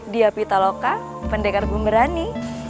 dia pita loka pendekar bumerani